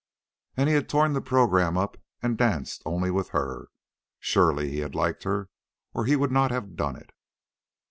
And he had torn the program up and danced only with her. Surely he had liked her, or he would not have done it.